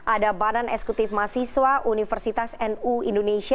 ada badan esekutif masiswa universitas nu indonesia